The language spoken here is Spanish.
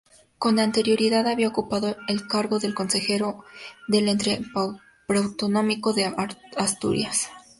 Con anterioridad había ocupado el cargo de Consejero del ente preautonómico de Asturias.